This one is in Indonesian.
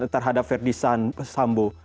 terhadap ferdis sambu